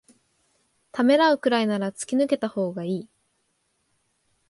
ためらうくらいなら突き抜けたほうがいい